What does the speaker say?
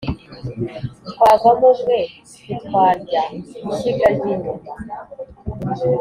Twavamo umwe ntitwarya-Ishyiga ry'inyuma.